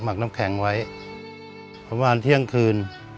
ักน้ำแข็งไว้ประมาณเที่ยงคืน